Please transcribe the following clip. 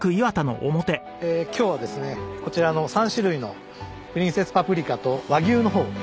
今日はですねこちらの３種類のプリンセスパプリカと和牛の方を。